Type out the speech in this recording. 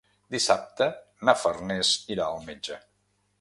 Dissabte na Farners irà al metge.